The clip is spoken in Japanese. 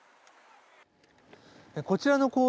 こちらの公園